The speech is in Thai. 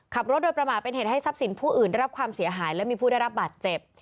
ขับรถโดยประมาทเป็นเหตุให้ทรัพย์สินผู้อื่นได้รับความเสียหายและมีผู้ได้รับบาดเจ็บ